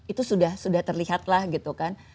itu sudah terlihat lah gitu kan